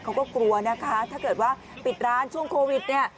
เขาก็กลัวนะคะถ้าเกิดว่าปิดร้านช่วงโควิดเนี่ย